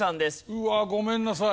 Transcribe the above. うわごめんなさい。